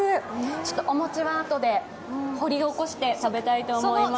ちょっと、お餅はあとで掘り起こして食べたいと思います。